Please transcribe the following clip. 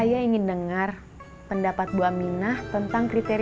ya sore bang